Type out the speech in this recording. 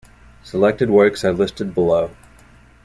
Selected works are listed below.